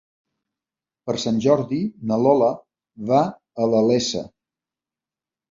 Per Sant Jordi na Lola va a la Iessa.